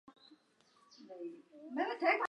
关岛徽章出现于关岛旗帜的中央。